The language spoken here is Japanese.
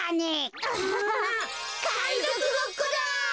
かいぞくごっこだ！